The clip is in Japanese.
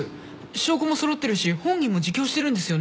証拠も揃ってるし本人も自供してるんですよね？